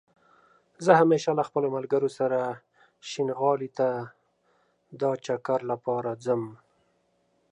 زه همېشه له خپلو ملګرو سره شينغالى ته دا چکر لپاره ځم